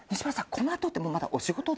このあとってまだお仕事ですよね？